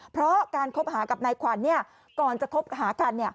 เพราะการคบหากับนายขวัญก่อนจะคบหากัน